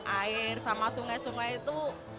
air sama sungai sungai itu